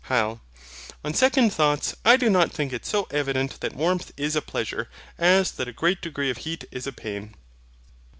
HYL. On second thoughts, I do not think it so evident that warmth is a pleasure as that a great degree of heat is a pain.